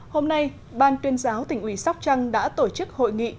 hôm nay ban tuyên giáo tỉnh ủy sóc trăng đã tổ chức hội nghị